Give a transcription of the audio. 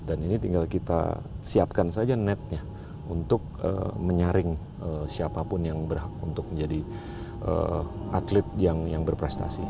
dan ini tinggal kita siapkan saja netnya untuk menyaring siapapun yang berhak untuk menjadi atlet yang berprestasi